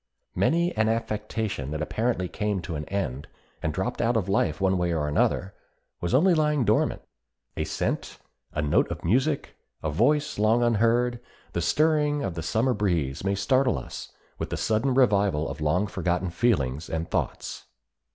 Many an affection that apparently came to an end, and dropped out of life one way or another, was only lying dormant. A scent, a note of music, a voice long unheard, the stirring of the Summer breeze may startle us with the sudden revival of long forgotten feelings and thoughts.